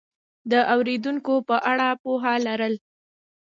د اورېدونکو په اړه پوهه لرل